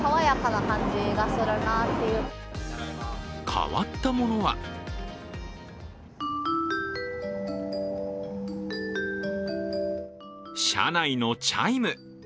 変わったものは車内のチャイム。